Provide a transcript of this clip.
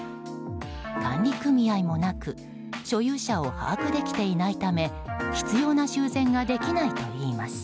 管理組合もなく所有者を把握できていないため必要な修繕ができないといいます。